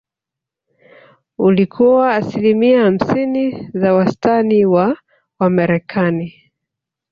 Ulikuwa asilimia hamsini za wastani wa Wamarekani